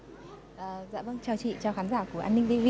dạ vâng chào chị chào khán giả của an ninh tv